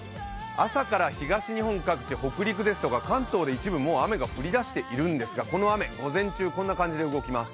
朝から東日本各地、北陸ですとか関東で一部雨が降り出しているんですがこの雨、午前中、こんな感じで動きます。